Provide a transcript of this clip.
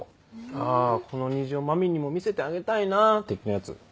「あこの虹を麻美にも見せてあげたいな」的なやつ？